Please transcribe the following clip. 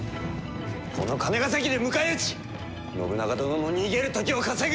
この金ヶ崎で迎え撃ち信長殿の逃げる時を稼ぐ！